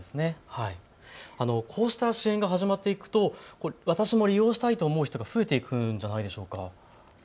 こうした支援が始まっていくと私も利用したいという人が増えるんじゃないでしょうか。